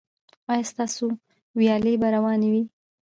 ایا ستاسو ویالې به روانې وي؟